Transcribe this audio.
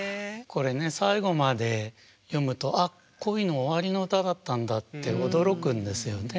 これね最後まで読むとあっ恋の終わりの歌だったんだって驚くんですよね。